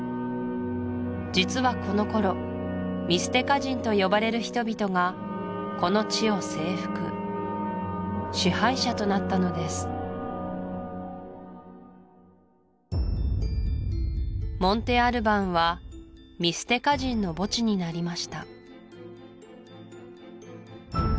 実はこの頃ミステカ人と呼ばれる人々がこの地を征服支配者となったのですモンテ・アルバンはミステカ人の墓地になりました